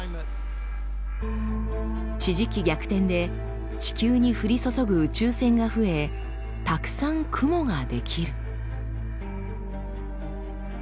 地磁気逆転で地球に降り注ぐ宇宙線が増えたくさん雲が出来る。